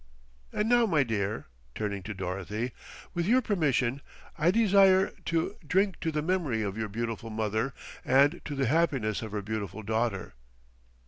And now, my dear," turning to Dorothy, "with your permission I desire to drink to the memory of your beautiful mother and to the happiness of her beautiful daughter."